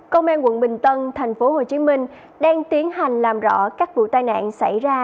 công an quận bình tân tp hcm đang tiến hành làm rõ các vụ tai nạn xảy ra